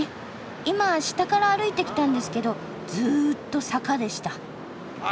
今下から歩いてきたんですけどずっと坂でした。